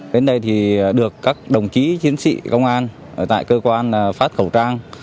đến đây thì được các đồng chí chiến sĩ công an tại cơ quan phát khẩu trang